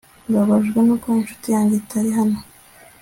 mbabajwe nuko inshuti yanjye itari hano